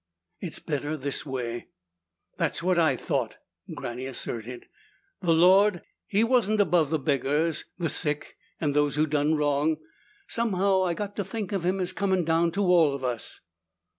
"It's better this way." "That's what I thought," Granny asserted. "The Lord, He wasn't above the beggars, the sick and those who done wrong. Somehow I got to think of Him as comin' down to all of us."